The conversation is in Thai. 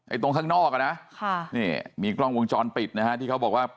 ตรงข้างนอกอ่ะนะค่ะนี่มีกล้องวงจรปิดนะฮะที่เขาบอกว่า